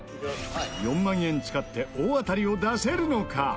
４万円使って大当たりを出せるのか？